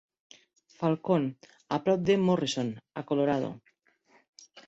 Falcon, a prop de Morrison, a Colorado.